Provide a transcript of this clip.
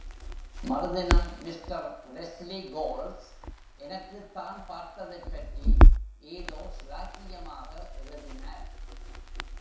மறுதினம் mister Leslie Coles, எனக்குத் தான் பார்த்ததைப் பற்றி, ஏதோ சிலாக்கியமாக எழுதினார்.